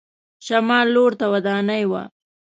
شمال لور ته ودانۍ وه.